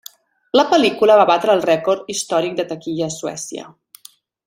La pel·lícula va batre el rècord històric de taquilla a Suècia.